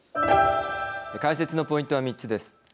解説のポイントは３つです。